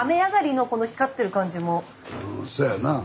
うんそやなあ。